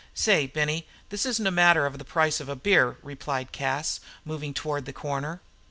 "Say, Benny, this isn't a matter of the price of a beer," replied Cas, moving toward the corner.